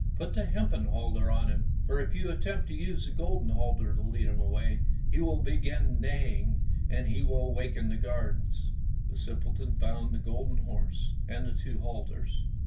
Put the hempen halter on him, for if you attempt to use the golden halter to lead him away he will begin neigh ing and will waken the guards." The simpleton found the golden horse, and the two halters.